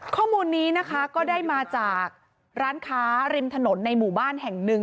ข้อมูลนี้นะคะก็ได้มาจากร้านค้าริมถนนในหมู่บ้านแห่งหนึ่ง